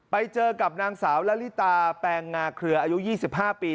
ไปเจอกับนางสาวละลิตาแปลงงาเครืออายุ๒๕ปี